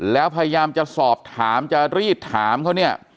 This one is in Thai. แล้วพยายามจะสอบถามจะรีดถามเขาเนี่ย